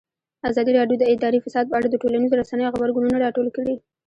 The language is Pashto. ازادي راډیو د اداري فساد په اړه د ټولنیزو رسنیو غبرګونونه راټول کړي.